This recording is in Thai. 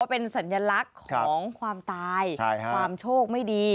เป็นสัญลักษณ์ของความตายความโชคไม่ดี